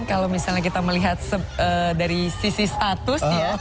kalau misalnya kita melihat dari sisi status ya